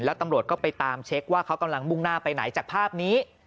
แล้วตำรวจก็ไปตามเช็คว่าเขากำลังมุ่งหน้าไปไหนจากภาพนี้